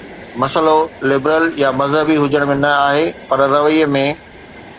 مسئلو لبرل يا مذهبي هجڻ ۾ نه آهي، پر رويي ۾.